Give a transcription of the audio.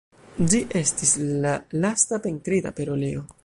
Ĝi estis la lasta pentrita per oleo.